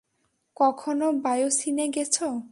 কখনো বায়োসিনে গেছো?